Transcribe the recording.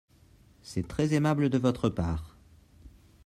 C'est très aimable de votre part.